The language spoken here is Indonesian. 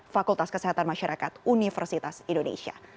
fakultas kesehatan masyarakat universitas indonesia